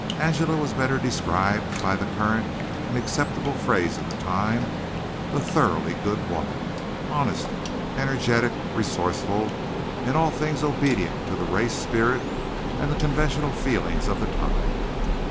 Angela was better described by the current and acceptable phrase of the time a "thoroughly good woman," honest, energetic, resourceful, in all things obedient to the race spirit and the conventional feelings of the time.